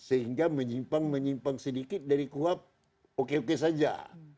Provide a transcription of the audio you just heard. sehingga menyimpang menyimpang sedikit dari kuap oke oke saja